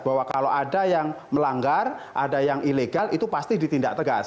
bahwa kalau ada yang melanggar ada yang ilegal itu pasti ditindak tegas